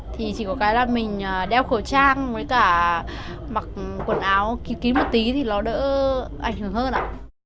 thì chỉ có cái là mình đeo khẩu trang với cả mặc quần áo ký một tí thì nó đỡ ảnh hưởng hơn ạ